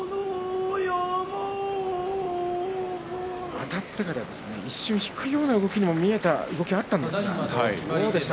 あたってから一瞬、引くような動きにも見えた動きがあったんですけれどどうでした？